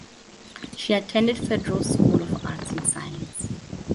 She attended Federal School of Arts and Science.